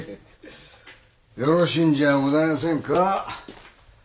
よろしいんじゃございませんか。